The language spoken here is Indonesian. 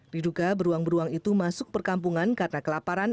diduga beruang beruang itu masuk perkampungan karena kelaparan